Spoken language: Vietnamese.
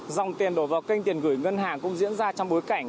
dòng tiền đổ vào kênh tiền gửi ngân hàng cũng diễn ra trong bối cảnh